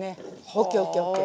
ＯＫＯＫＯＫ。